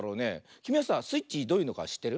きみはさあスイッチどういうのかしってる？